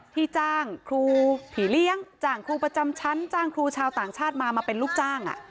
ที่จ้างครูผีเลี้ยงจ้างครูประจำชั้นจ้างครูชาวต่างชาติมามาเป็นลูกจ้าง